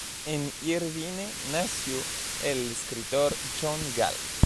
En Irvine nació el escritor John Galt.